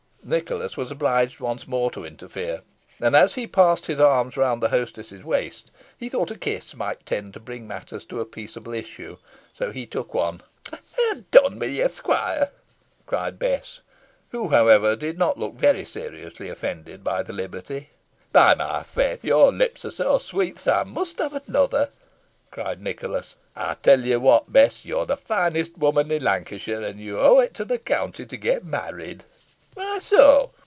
Nicholas was obliged once more to interfere, and as he passed his arms round the hostess's waist, he thought a kiss might tend to bring matters to a peaceable issue, so he took one. "Ha' done wi' ye, squoire," cried Bess, who, however, did not look very seriously offended by the liberty. "By my faith, your lips are so sweet that I must have another," cried Nicholas. "I tell you what, Bess, you're the finest woman in Lancashire, and you owe it to the county to get married." "Whoy so?"